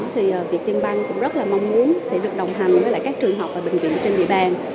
thì việt tiên bang cũng rất là mong muốn sẽ được đồng hành với các trường học và bệnh viện trên địa bàn